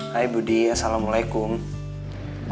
hai budi assalamualaikum